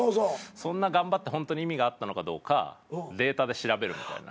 そんな頑張ってホントに意味があったのかどうかデータで調べるみたいな。